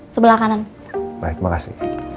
sebelah kanan baik makasih